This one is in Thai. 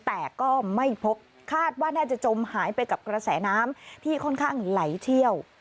แต่ก็ไม่พบคาดว่าน่าจะจมหายไปกับกระแสน้ำที่ค่อนข้างไหลเชี่ยว